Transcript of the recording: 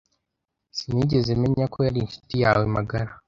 Sinigeze menya ko yari inshuti yawe magara.